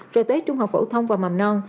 rồi tới trung học phổ thông và mầm non